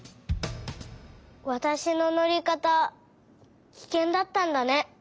わたしののりかたキケンだったんだね。